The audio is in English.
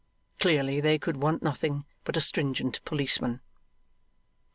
Clearly they could want nothing but a stringent policeman.